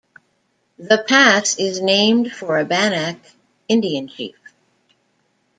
The pass is named for a Bannack Indian chief.